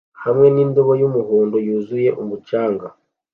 hamwe nindobo yumuhondo yuzuye umucanga